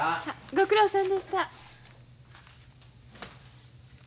ご苦労さんでした。